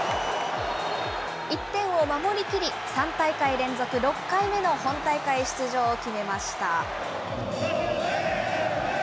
１点を守りきり、３大会連続６回目の本大会出場を決めました。